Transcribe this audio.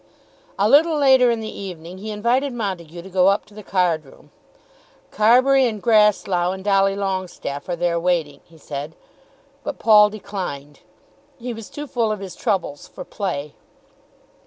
A little later in the evening he invited Montague to go up to the card room. "Carbury, and Grasslough, and Dolly Longestaffe are there waiting," he said. But Paul declined. He was too full of his troubles for play.